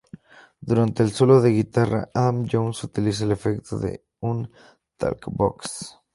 Durante el solo de guitarra, Adam Jones utiliza el efecto de un talk box.